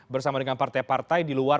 bersama dengan partai partai di luar